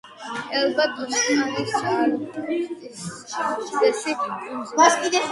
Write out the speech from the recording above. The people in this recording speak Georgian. ელბა ტოსკანის არქიპელაგის უდიდესი კუნძულია.